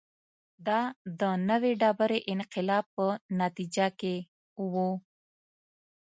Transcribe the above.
دا د نوې ډبرې انقلاب په نتیجه کې و